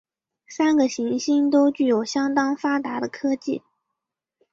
三个行星都具有相当发达的科技。